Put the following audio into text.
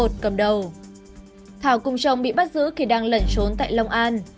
thảo cầm chồng bị bắt giữ khi đang lẩn trốn tại long an